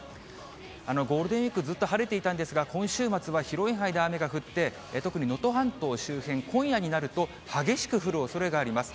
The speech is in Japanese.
ゴールデンウィーク、ずっと晴れていたんですが、今週末は広い範囲で雨が降って、特に能登半島周辺、今夜になると、激しく降るおそれがあります。